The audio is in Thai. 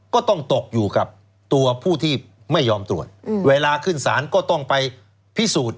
ก็ต้องตกอยู่กับตัวผู้ที่ไม่ยอมตรวจเวลาขึ้นสารก็ต้องไปพิสูจน์